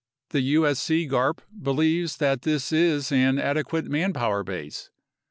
The usc garp believes that this is an adequate manpower base.